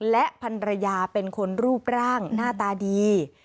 และพันรยาเป็นคนรูปร่างหน้าตาดี